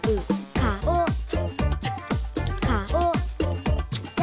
「かおかおだ」